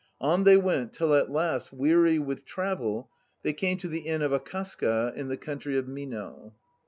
On they went till at last, weary with travel, they came to the Inn of Akasaka in the country of Mino.